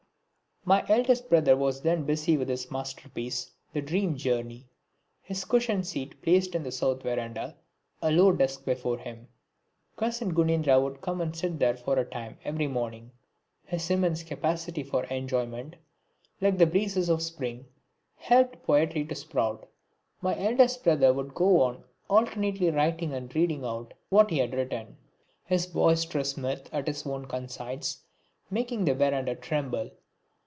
My eldest brother was then busy with his masterpiece "The Dream Journey," his cushion seat placed in the south verandah, a low desk before him. Cousin Gunendra would come and sit there for a time every morning. His immense capacity for enjoyment, like the breezes of spring, helped poetry to sprout. My eldest brother would go on alternately writing and reading out what he had written, his boisterous mirth at his own conceits making the verandah tremble.